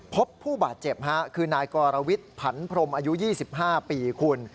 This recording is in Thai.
พบผู้บาดเจ็บคือนายกรวิทย์ผันพรมอายุ๒๕ปีคุณ